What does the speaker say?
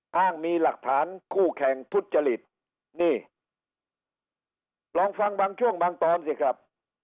ห้างมีหลักฐานคู่แข่งทุจริตนี่ลองฟังบางช่วงบางตอนสิครับ